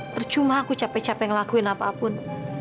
percuma aku capek capek ngelakuin apapun